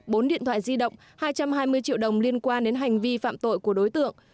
bốn điện thoại di động hai trăm hai mươi triệu đồng liên quan đến hành vi phạm tội của đối tượng